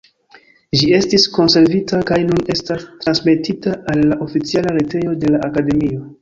Ĝi estis konservita kaj nun estas transmetita al la oficiala retejo de la Akademio.